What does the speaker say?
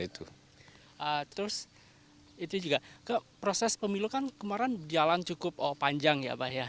terus itu juga proses pemilu kan kemarin jalan cukup panjang ya pak ya